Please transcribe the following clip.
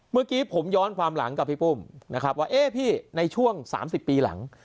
เมื่อกี้ผมย้อนความหลังกับพี่ปุ้มนะครับว่าเอ๊ะพี่ในช่วง๓๐ปีหลัง